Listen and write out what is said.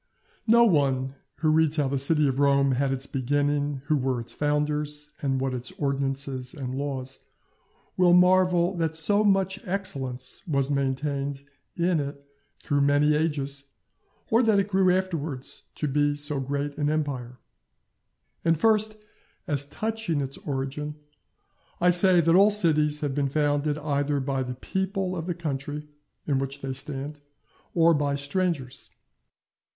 _ No one who reads how the city of Rome had its beginning, who were its founders, and what its ordinances and laws, will marvel that so much excellence was maintained in it through many ages, or that it grew afterwards to be so great an Empire. And, first, as touching its origin, I say, that all cities have been founded either by the people of the country in which they stand, or by strangers.